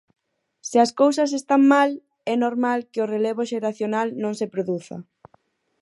Se as cousas están mal, é normal que o relevo xeracional non se produza.